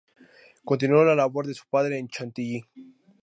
Continuó la labor de su padre en Chantilly.